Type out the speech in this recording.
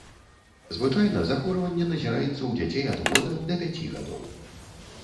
Звычайна захворванне назіраецца ў дзяцей ад года да пяці гадоў.